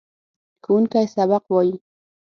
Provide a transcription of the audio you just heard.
ښوونکی سبق وايي.